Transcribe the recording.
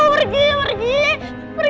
pergi jangan gangguin aku